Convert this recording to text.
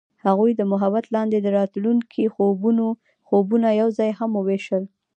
هغوی د محبت لاندې د راتلونکي خوبونه یوځای هم وویشل.